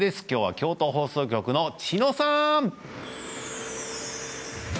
きょうは京都放送局の千野さん！